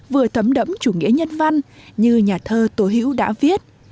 vừa thấm đẫm chủ nghĩa nhân văn như nhà thơ tố hữu đã viết